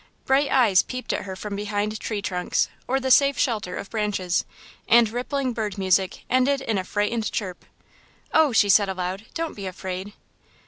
Bright eyes peeped at her from behind tree trunks, or the safe shelter of branches, and rippling bird music ended in a frightened chirp, "Oh," she said aloud, "don't be afraid!"